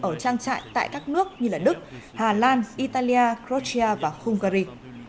ở trang trại tại các nước như đức hà lan italia grochia và hungary